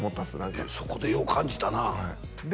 いやそこでよう感じたなあで